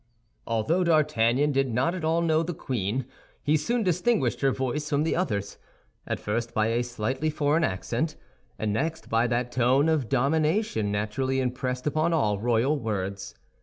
Although D'Artagnan did not at all know the queen, he soon distinguished her voice from the others, at first by a slightly foreign accent, and next by that tone of domination naturally impressed upon all royal words.